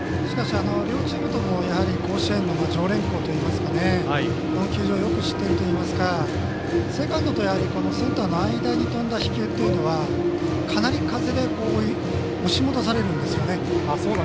両チームとも甲子園の常連校といいますかこの球場をよく知っているといいますかセカンドとセンターの間に飛んだ飛球というのはかなり風で押し戻されるんですよね。